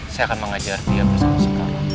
saya akan mengajar dia bersama sekali